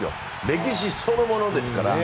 歴史そのものですから。